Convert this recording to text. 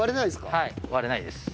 はい割れないです。